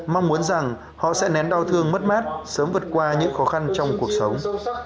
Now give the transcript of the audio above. mong muốn rằng họ sẽ nén đau thương mất mát sớm vượt qua những khó khăn trong cuộc sống